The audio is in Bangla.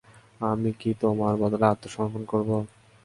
আমি কি তোমার বদলে আত্মসমর্পণ করব?